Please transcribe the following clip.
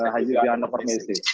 haji zidiano permisi